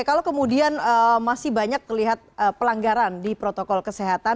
kalau kemudian masih banyak terlihat pelanggaran di protokol kesehatan